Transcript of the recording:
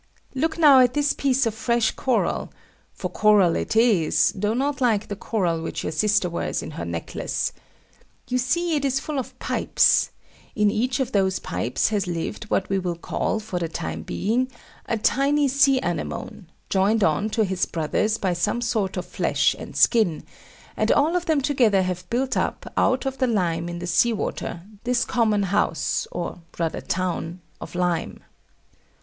Look now at this piece of fresh coral for coral it is, though not like the coral which your sister wears in her necklace. You see it is full of pipes; in each of those pipes has lived what we will call, for the time being, a tiny sea anemone, joined on to his brothers by some sort of flesh and skin; and all of them together have built up, out of the lime in the sea water, this common house, or rather town, of lime.